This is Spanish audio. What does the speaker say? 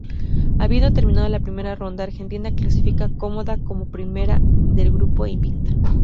Habiendo terminado la primera ronda, Argentina clasifica cómoda como primera del grupo e invicta.